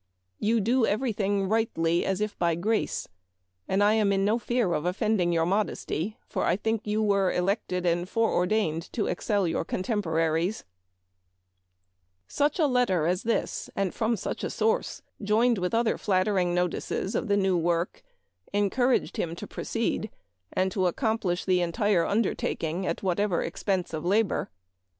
You do every thing rightly, as if by grace ; and I am in no fear of offending your modesty, for I think you were elected and fore ordained to excel your contem pora: Such a letter as this, and from such a source, Memoir of Washington Irving. 287 joined with other flattering notices of the new work, encouraged him to proceed, and to accomplish the entire undertaking at what expense of labor.